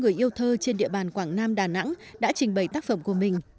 người yêu thơ trên địa bàn quảng nam đà nẵng đã trình bày tác phẩm của mình